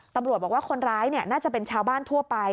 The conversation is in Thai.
ตำรวจบอกว่าคนร้ายน่าจะเป็นชาวบ้านทั่วไป